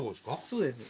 そうです。